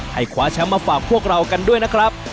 ให้คว้าแชมป์มาฝากพวกเรากันด้วยนะครับ